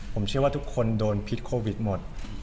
ผมเชื่อว่าทุกคนโดนพิษโควิดหมด